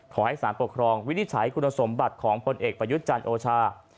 ขอให้๓ปกครองวิธิสไถคุณสมบัติของคนเอกประยุทธ์จันทร์โอชาร์